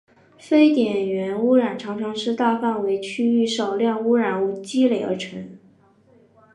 非点源污染常常是大范围区域少量污染物累积而成。